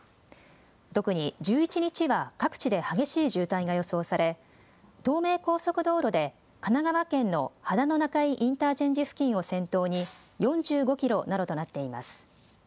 特に１１日は各地で激しい渋滞が予想され、東名高速道路で神奈川県の秦野中井インターチェンジ付近を先頭に４５キロなどとなっています。